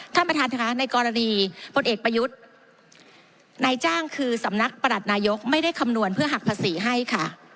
ท่านประธานค่ะในกรณีพลเอกประยุทธ์นายจ้างคือสำนักประหลัดนายกไม่ได้คำนวณเพื่อหักภาษีให้ค่ะ